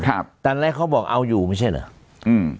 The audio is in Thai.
ตั้งแต่ตอนแรกเขาบอกเอาอยู่ไม่ใช่หรอก